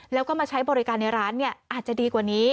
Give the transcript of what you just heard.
แล้วก็มาใช้บริการในร้านอาจจะดีกว่านี้